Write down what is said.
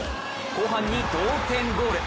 後半に同点ゴール。